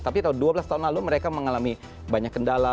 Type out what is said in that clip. tapi tahun dua belas tahun lalu mereka mengalami banyak kendala